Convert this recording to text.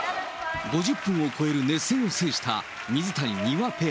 ５０分を超える熱戦を制した水谷・丹羽ペア。